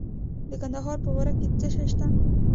د کندهار په غورک کې څه شی شته؟